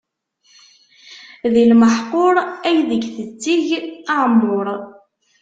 Di lmeḥqur ay deg tetteg aɛemmuṛ.